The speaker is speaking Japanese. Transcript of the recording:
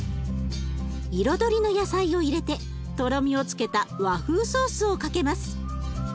彩りの野菜を入れてとろみをつけた和風ソースをかけます。